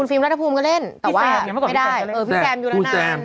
ฟรีมระดับภูมิก็เล่นแต่ว่าไม่ได้เออพี่แซมอยู่แล้วนั้น